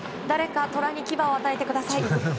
誰かトラに牙を与えてください。